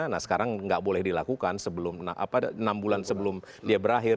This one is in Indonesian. nah sekarang nggak boleh dilakukan enam bulan sebelum dia berakhir